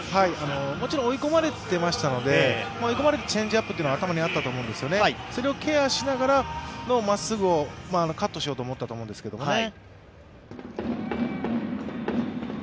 もちろん追い込まれてましたので追い込まれてのチェンジアップというのは頭にあったと思うんです、それをケアしながらのまっすぐをカットしようと思ったと思うんですけどね。